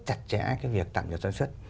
chặt chẽ cái việc tạm nhập sản xuất